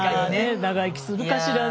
長生きするかしらね。